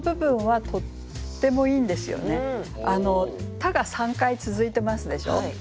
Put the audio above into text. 「た」が３回続いてますでしょう？